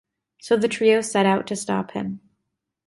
So the trio set out to stop him.